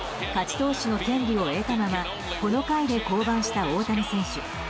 投手の権利を得たままこの回で降板した大谷選手。